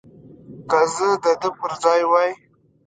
که زه د ده پر ځای وای.